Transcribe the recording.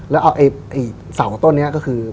แล้วเอาสาวของต้นนี้ก็คือ